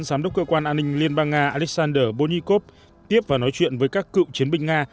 giám đốc cơ quan an ninh liên bang nga alexander bonnikov tiếp và nói chuyện với các cựu chiến binh nga